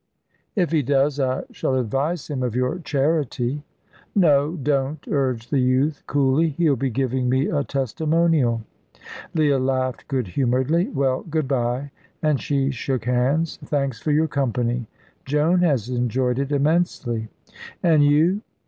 "If he does I shall advise him of your charity." "No, don't," urged the youth, coolly. "He'll be giving me a testimonial." Leah laughed good humouredly. "Well, good bye," and she shook hands. "Thanks for your company. Joan has enjoyed it immensely." "And you?"